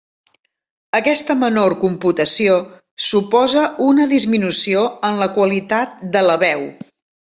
Aquesta menor computació suposa una disminució en la qualitat de la veu.